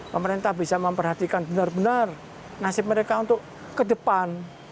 pemerintah bisa memperhatikan benar benar nasib mereka untuk ke depan